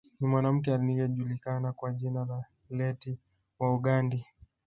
Ni mwanamke aliyejulikana kwa jina la Leti wa Ughandi